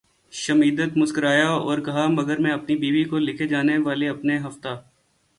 Schmidt مسکرایا اور کہا مگر میں اپنی بیوی کو لکھے جانے والے اپنے ہفتہ